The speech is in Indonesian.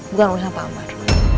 bukan urusan pak amar